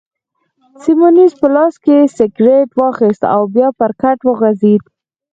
سیمونز په لاس کي سګرېټ واخیست او بیا پر کټ وغځېد.